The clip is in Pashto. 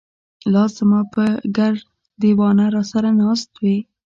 لاس زماپه ګر ېوانه راسره ناست وې